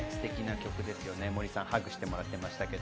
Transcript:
森さんはハグしてもらってました。